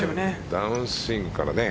ダウンスイングから。